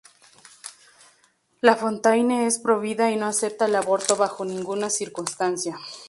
LaFontaine es provida y no acepta el aborto bajo ninguna circunstancia.